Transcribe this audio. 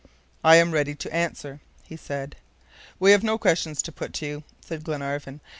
"I am ready to answer," he said. "We have no questions to put to you," said Glenarvan.